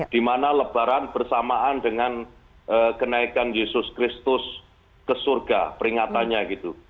di mana lebaran bersamaan dengan kenaikan yesus kristus ke surga peringatannya gitu